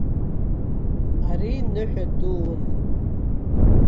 Ари ныҳәа дуун.